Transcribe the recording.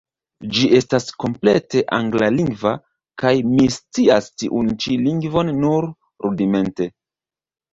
Ĝi estas komplete anglalingva – kaj mi scias tiun ĉi lingvon nur rudimente.